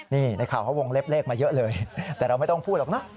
นี่ในข่าวเขาวงเล็บเลขมาเยอะเลยแต่เราไม่ต้องพูดหรอกนะ